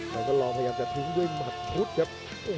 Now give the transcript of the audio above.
แล้วก็ลองพยายามจะทิ้งด้วยหมัดพุทธครับ